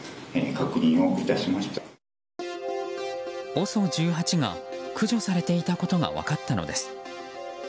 ＯＳＯ１８が駆除されていたことが分かったのです。